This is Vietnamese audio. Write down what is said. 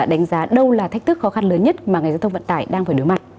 đánh giá đâu là thách thức khó khăn lớn nhất mà ngành giao thông vận tải đang phải đối mặt